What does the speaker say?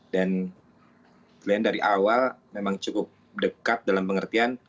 dan glenn dari awal memang cukup dekat dalam pengertian